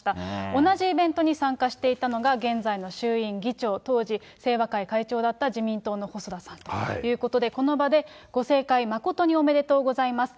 同じイベントに参加していたのが、現在の衆院議長、当時、清和会会長だった自民党の細田さんということで、この場でご盛会誠におめでとうございます。